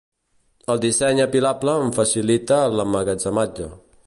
El disseny apilable en facilita l'emmagatzematge.